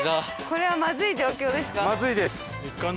これはまずい状況ですか？